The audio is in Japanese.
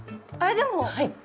でも。